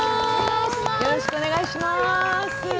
よろしくお願いします。